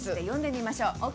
呼んでみましょう。